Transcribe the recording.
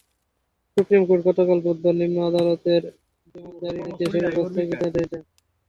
Supreme court গতকাল বুধবার নিম্ন আদালতের সমন জারির নির্দেশের ওপর স্থগিতাদেশ দেন।